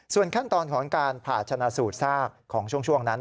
ส่วนขั้นตอนของการผ่าชนะสูตรซากของช่วงนั้น